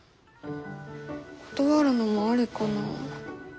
断るのもありかな。